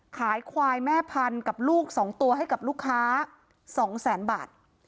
ขายควายแม่พันกับลูก๒ตัวให้กับลูกค้า๒แสนบาท